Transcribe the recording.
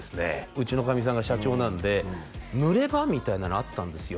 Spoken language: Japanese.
うちのかみさんが社長なんで濡れ場みたいなのあったんですよ